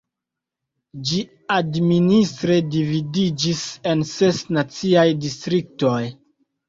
Ĝi administre dividiĝis en ses naciaj distriktoj.